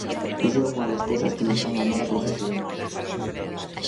Iso é unha das cousas que nos fan amar a profesión.